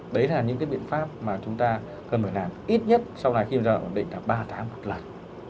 đấy là những cái biện pháp mà chúng ta cần phải làm ít nhất sau này khi mà giai đoạn bệnh là ba tháng một lần